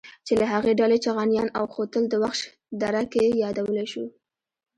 چې له هغې ډلې چغانيان او خوتل د وخش دره کې يادولی شو.